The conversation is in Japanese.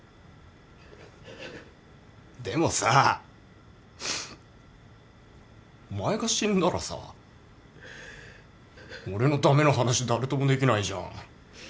でもさお前が死んだらさ俺の駄目な話誰ともできないじゃん。